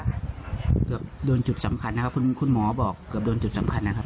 เกือบโดนจุดสำคัญนะครับคุณหมอบอกเกือบโดนจุดสำคัญนะครับ